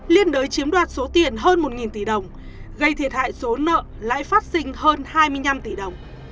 liên đối chiếm đoạt số tiền hơn một tỷ đồng gây thiệt hại số nợ lãi phát sinh hơn hai mươi năm tỷ đồng